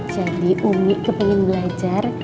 jadi umi kepengen belajar